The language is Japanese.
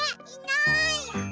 いない。